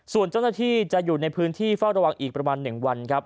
ส่วนเจ้าหน้าที่จะอยู่ในพื้นที่เฝ้าระวังอีกประมาณ๑วันครับ